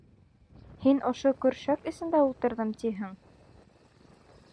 — Һин ошо көршәк эсендә ултырҙым, тиһең.